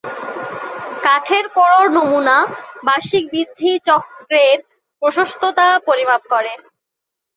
কাঠের কোর’র নমুনা বার্ষিক বৃদ্ধি চক্রের প্রশস্ততা পরিমাপ করে।